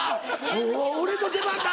「お俺の出番だ！